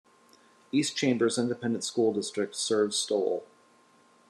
East Chambers Independent School District serves Stowell.